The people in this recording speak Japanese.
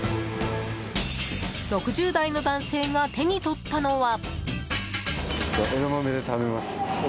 ６０代の男性が手にとったのは。